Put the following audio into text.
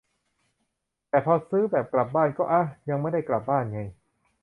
แต่พอซื้อแบบ กลับบ้าน ก็ อ๊ะ ยังไม่ได้กลับบ้านไง